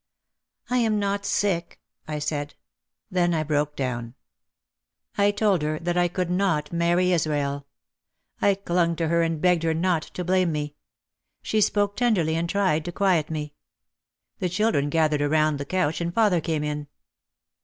"I am not sick," I said. Then I broke down. I told her that I could not marry Israel. I clung to her and begged her not to blame me. She spoke tenderly and tried to quiet me. The children gathered around the couch and father came in.